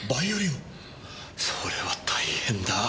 それは大変だ。